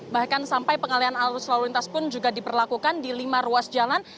bahkan sampai pengalian arus lalu lintas pun juga diperlakukan di lima ruas jalan